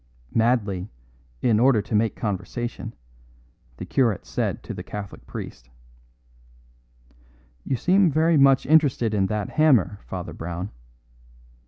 Madly, in order to make conversation, the curate said to the Catholic priest: "You seem very much interested in that hammer, Father Brown."